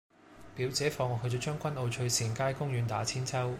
表姐放學去左將軍澳翠善街公園打韆鞦